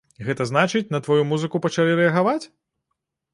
Гэта значыць, на тваю музыку пачалі рэагаваць?